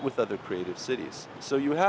một nền kết quả